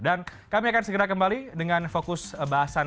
dan kami akan segera kembali dengan fokus bahasan hal ini